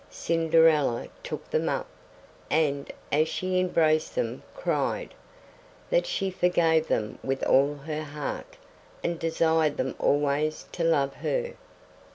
Cinderella took them up, and, as she embraced them, cried: That she forgave them with all her heart, and desired them always to love her.